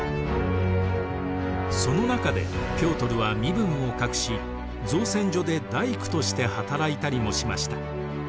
その中でピョートルは身分を隠し造船所で大工として働いたりもしました。